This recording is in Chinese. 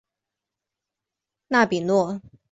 纳比诺。